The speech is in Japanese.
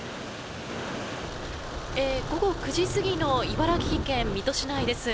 午後９時過ぎの茨城県水戸市内です。